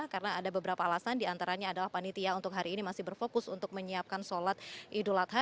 karena ada beberapa alasan diantaranya adalah panitia untuk hari ini masih berfokus untuk menyiapkan sholat idul hadha